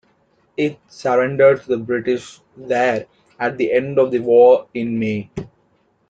It surrendered to the British there at the end of the war in May.